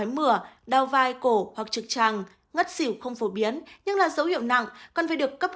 mở đau vai cổ hoặc trực tràng ngất xỉu không phổ biến nhưng là dấu hiệu nặng cần phải được cấp